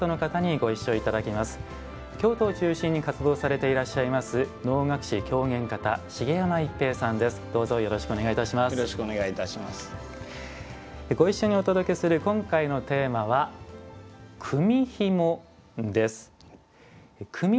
ご一緒にお届けする今回のテーマは「組みひも」です。